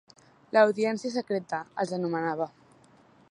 L'audiència secreta, els anomenava.